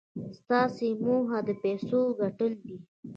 ستاسې موخه د پيسو ګټل دي.